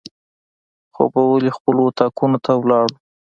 خوبولي خپلو اطاقونو ته ولاړو.